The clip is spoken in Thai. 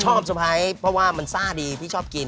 สะพ้ายเพราะว่ามันซ่าดีพี่ชอบกิน